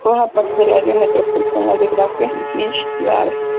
Forma parte del área metropolitana de Lakeland–Winter Haven.